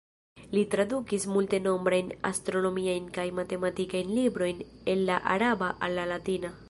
Li tradukis multenombrajn astronomiajn kaj matematikajn librojn el la araba al la latina.